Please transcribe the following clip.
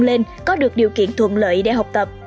kế túc xá cỏ mây có được điều kiện thuận lợi để học tập